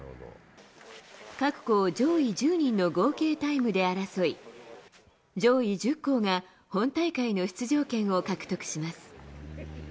各校上位１０人の合計タイムで争い、上位１０校が、本大会の出場権を獲得します。